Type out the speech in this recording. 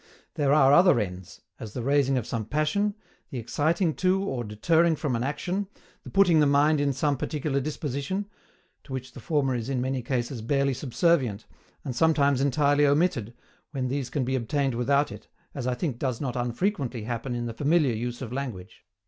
There are other ends, as the raising of some passion, the exciting to or deterring from an action, the putting the mind in some particular disposition to which the former is in many cases barely subservient, and sometimes entirely omitted, when these can be obtained without it, as I think does not unfrequently happen in the familiar use of language.